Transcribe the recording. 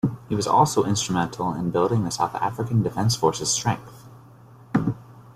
He was also instrumental in building the South African Defence Force's strength.